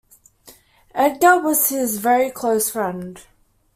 Edgar was his very close friend.